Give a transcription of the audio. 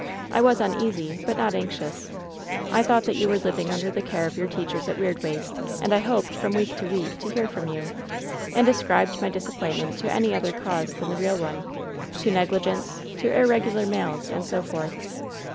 I was uneasy, but not anxious. I thought that you were living under the care of your teachers at Weirdwaste. And I hoped, from week to week, to hear from you, and ascribed my disappointment to any other cause than the real one — to negligence, to irregular mails, and so forth.'